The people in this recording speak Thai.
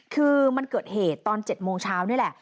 คือมันเกิดเหตุตอน๗โมงเช้านี่แหละ